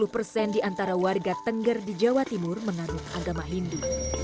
dua puluh persen di antara warga tengger di jawa timur mengandung agama hindu